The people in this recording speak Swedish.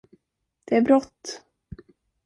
Det är brått!